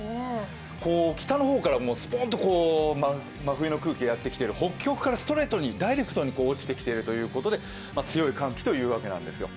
北の方からスポンと真冬の空気がやってきている、北極からダイレクトに落ちてきているということで強い寒気というわけなんですよ。